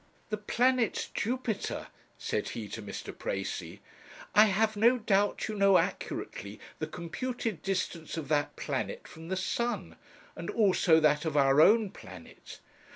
'The planet Jupiter,' said he to Mr. Precis; 'I have no doubt you know accurately the computed distance of that planet from the sun, and also that of our own planet.